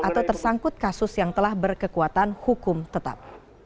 atau tersangkut kasus yang telah berkekuatan hukum tetap